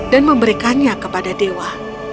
dan memberikannya kepada dewa